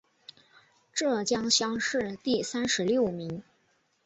浙江乡试第三十六名。